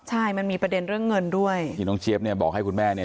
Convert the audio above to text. ใช่มันมีประเด็นเรื่องเงินด้วยที่น้องเจี๊ยบเนี่ยบอกให้คุณแม่เนี่ย